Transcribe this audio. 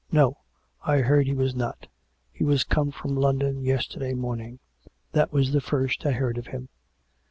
" No ; I heard he was not. He was come from London yesterday morning. That was the first I heard of him."